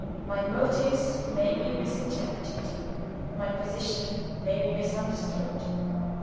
My motives may be misinterpreted; my position may be misunderstood.